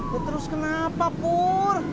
ya terus kenapa pur